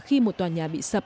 khi một tòa nhà bị sập